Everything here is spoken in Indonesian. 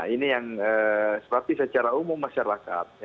ini yang berarti secara umum masyarakat